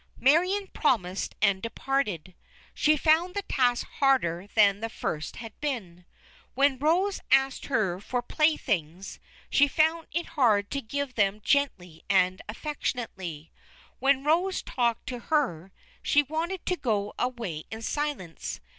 Marion promised and departed. She found the task harder than the first had been. When Rose asked her for playthings, she found it hard to give them gently and affectionately. When Rose talked to her, she wanted to go away in silence.